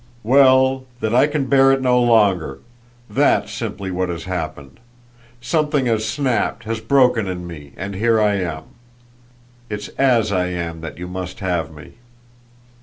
"Well, that I can bear it no longer. THAT'S simply what has happened. Something has snapped, has broken in me, and here I am. It's AS I am that you must have me."